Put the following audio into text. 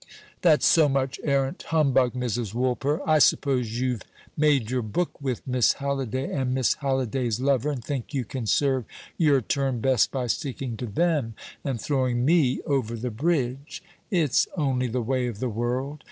"That's so much arrant humbug, Mrs. Woolper. I suppose you've made your book with Miss Halliday and Miss Halliday's lover, and think you can serve your turn best by sticking to them and throwing me over the bridge. It's only the way of the world.